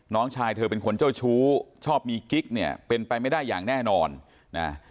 น้องชายเธอเป็นคนเจ้าชู้ชอบมีกิ๊กเนี่ยเป็นไปไม่ได้อย่างแน่นอนนะ